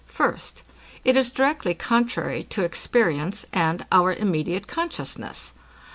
First, It is directly contrary to experience, and our immediate consciousness.